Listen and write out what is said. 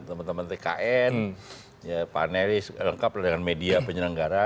teman teman tkn panelis lengkap dengan media penyelenggara